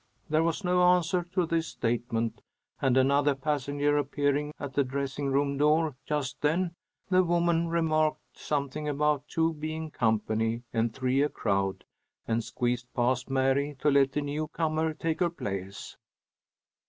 There was no answer to this statement, and another passenger appearing at the dressing room door just then, the woman remarked something about two being company and three a crowd, and squeezed past Mary to let the newcomer take her place.